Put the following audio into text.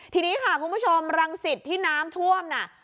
ทีนี้ค่ะคุณผู้ชมรังสิตที่น้ำท่วมน่ะ